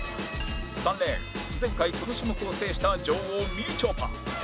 ３レーン前回この種目を制した女王みちょぱ